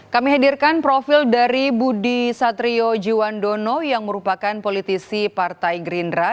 kami hadirkan profil dari budi satrio jiwandono yang merupakan politisi partai gerindra